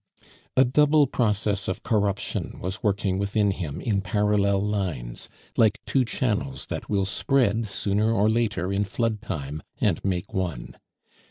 A double process of corruption was working within him in parallel lines, like two channels that will spread sooner or later in flood time and make one.